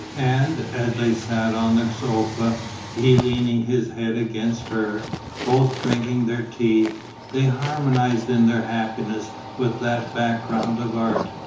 And, as they sat on the sofa, he leaning his head against her, both drinking their tea, they harmonized in their happiness with that background of art.